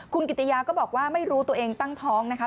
คุณกิติยาก็บอกว่าไม่รู้ตัวเองตั้งท้องนะคะ